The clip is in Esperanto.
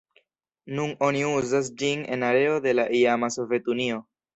Nun oni uzas ĝin en areo de la iama Sovetunio.